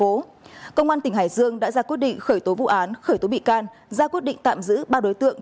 hải dương đã ra quyết định khởi tố vụ án khởi tố bị can ra quyết định tạm giữ ba đối tượng